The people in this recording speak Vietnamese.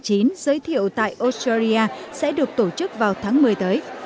giới thiệu tại australia sẽ được tổ chức vào tháng một mươi tới